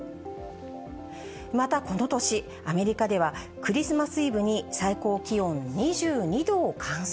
またこの年、アメリカでは、クリスマスイブに最高気温２２度を観測。